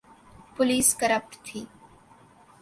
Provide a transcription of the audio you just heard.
Police corrupt تھی۔